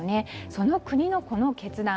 その国のこの決断。